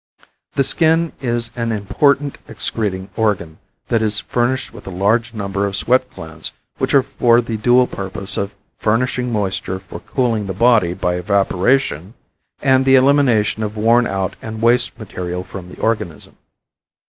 The skin is an important excreting organ that is furnished with a large number of sweat glands which are for the dual purpose of furnishing moisture for cooling the body by evaporation and the elimination of worn out and waste material from the organism.